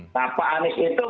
nah pak anis itu masih masih